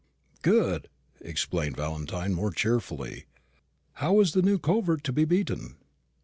"Good!" exclaimed Valentine more cheerfully. "How is the new covert to be beaten?"